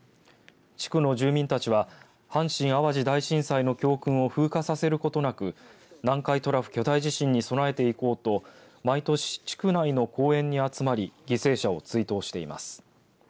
地区の住民たちは阪神・淡路大震災の教訓を風化させることなく南海トラフ巨大地震に備えていこうと毎年、地区内の公園に集まり犠牲者を追悼しています。